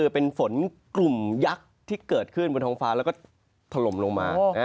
เป็นฝนกลุ่มยักษ์ที่เกิดขึ้นบนท้องฟ้าแล้วก็ถล่มลงมา